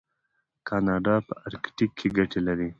کاناډا په ارکټیک کې ګټې لري.